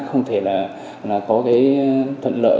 không thể có thuận lợi